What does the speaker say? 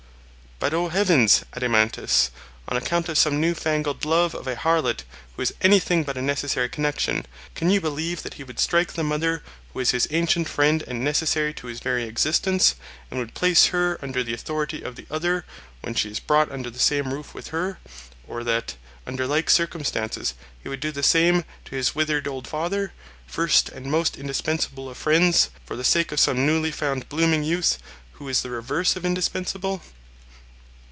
But, O heavens! Adeimantus, on account of some new fangled love of a harlot, who is anything but a necessary connection, can you believe that he would strike the mother who is his ancient friend and necessary to his very existence, and would place her under the authority of the other, when she is brought under the same roof with her; or that, under like circumstances, he would do the same to his withered old father, first and most indispensable of friends, for the sake of some newly found blooming youth who is the reverse of indispensable?